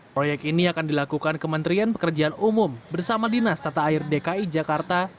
proyek ini akan dilakukan kementerian pekerjaan umum bersama dinas tata air dki jakarta